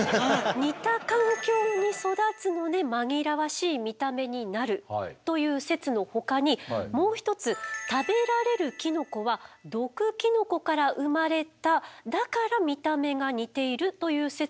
似た環境に育つので紛らわしい見た目になるという説のほかにもう一つ食べられるキノコは毒キノコから生まれただから見た目が似ているという説もあるのでございます。